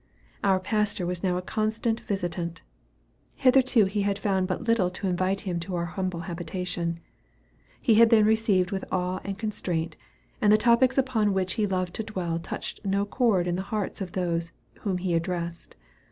Our pastor was now a constant visitant. Hitherto he had found but little to invite him to our humble habitation. He had been received with awe and constraint, and the topics upon which he loved to dwell touched no chord in the hearts of those whom he addressed.